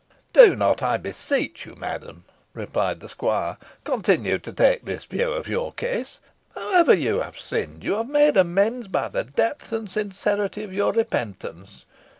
"Do not, I beseech you, madam," replied the squire, "continue to take this view of your case. However you have sinned, you have made amends by the depth and sincerity of your repentance.